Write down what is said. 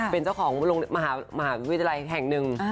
เป็นเจ้าของมหาวิทยาลัยแห่งหนึ่ง